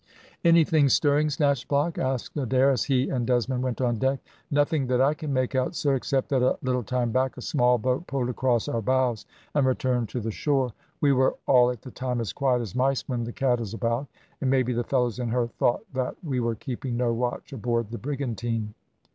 "Anything stirring, Snatchblock?" asked Adair, as he and Desmond went on deck. "Nothing that I can make out, sir, except that a little time back a small boat pulled across our bows and returned to the shore. We were all at the time as quiet as mice when the cat is about, and maybe the fellows in her thought that we were keeping no watch aboard the brigantine."